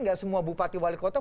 gak semua bupati wali kota